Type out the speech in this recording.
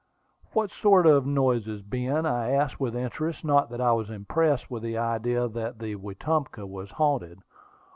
"What sort of noises, Ben?" I asked with interest, not that I was impressed with the idea that the Wetumpka was haunted.